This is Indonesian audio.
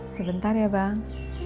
sebentar ya bang